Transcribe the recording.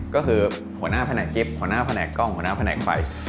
ก็คือหัวหน้าแผนกกิ๊บหัวหน้าแผนกกล้องหัวหน้าแผนกไฟ